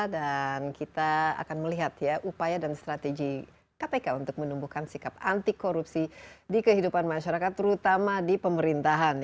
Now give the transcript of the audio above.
dan kita akan melihat ya upaya dan strategi kpk untuk menumbuhkan sikap anti korupsi di kehidupan masyarakat terutama di pemerintahan